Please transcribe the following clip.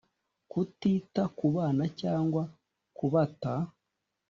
kutita ku bana cyangwa kubata: